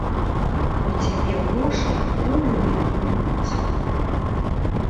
У цябе грошай куры не клююць!